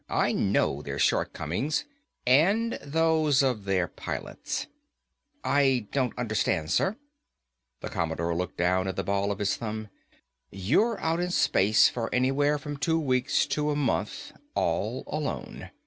I know their shortcomings and those of their pilots." "I don't understand, sir." The Commodore looked down at the ball of his thumb. "You're out in space for anywhere from two weeks to a month. All alone.